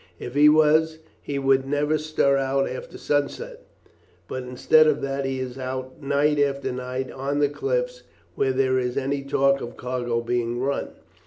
If he was he would never stir out after sunset, but instead of that he is out night after night on the cliffs, when there is any talk of a cargo being run.